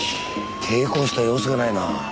抵抗した様子がないな。